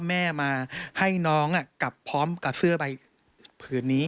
แม่มาให้น้องกลับพร้อมกับเสื้อใบผืนนี้